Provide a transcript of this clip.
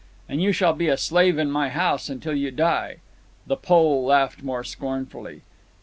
"And you shall be a slave in my house until you die." The Pole laughed more scornfully.